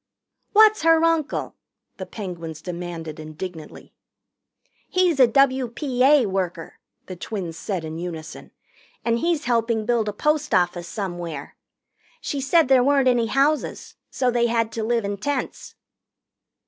"What's her uncle?" the Penguins demanded indignantly. "He's a W.P.A. worker," the twins said in unison, "and he's helping build a post office somewhere. She said there weren't any houses, so they had to live in tents."